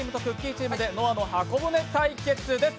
チームで「ノアの箱舟」対決です。